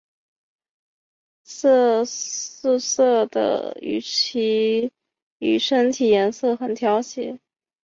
素色的鱼鳍与身体颜色很协调。